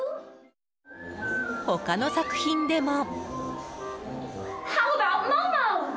他の作品でも。